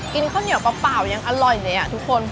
กินข้าวเหนียวก็เปล่ายอย่างอร่อยอยู่เนียทุกคน